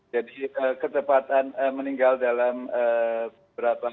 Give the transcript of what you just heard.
jadi ketepatan meninggal dalam berapa